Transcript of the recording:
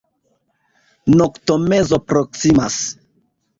Noktomezo proksimas.